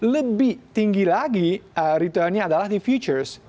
lebih tinggi lagi returnnya adalah di futures